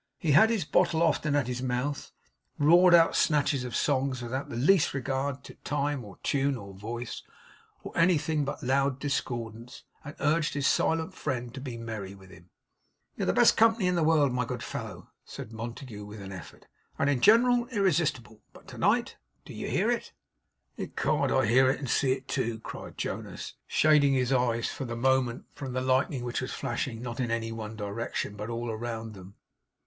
He had his bottle often at his mouth; roared out snatches of songs, without the least regard to time or tune or voice, or anything but loud discordance; and urged his silent friend to be merry with him. 'You're the best company in the world, my good fellow,' said Montague with an effort, 'and in general irresistible; but to night do you hear it?' 'Ecod! I hear and see it too,' cried Jonas, shading his eyes, for the moment, from the lightning which was flashing, not in any one direction, but all around them.